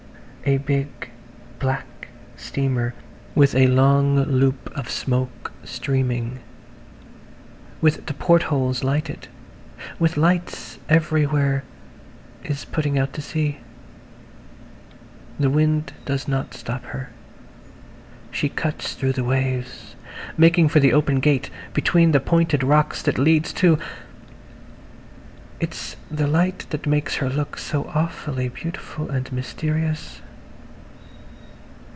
A big black steamer with a long loop of smoke streaming, with the portholes lighted, with lights everywhere, is putting out to sea. The wind does not stop her; she cuts through the waves, making for the open gate between the pointed rocks that leads to ... It's the light that makes her look so awfully beautiful and mysterious.